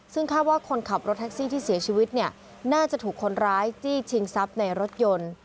ซึ่งคาดว่าคนขับรถแท็กซี่ที่เสียชีวิตเนี่ยน่าจะถูกคนร้ายจี้ชิงทรัพย์ในรถยนต์